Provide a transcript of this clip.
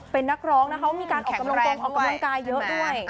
เป็นนักร้องนะเขามีการออกกำลังกงออกกำลังกายเยอะด้วย